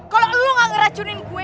kalau lo gak ngeracunin gue